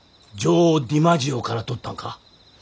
ジョー・ディマジオからとったんか？